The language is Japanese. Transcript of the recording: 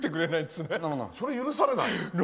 それは許されない？